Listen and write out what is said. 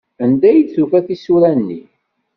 Anda i d-tufa tisura-nni?